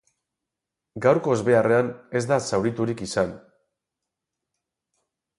Gaurko ezbeharrean ez da zauriturik izan.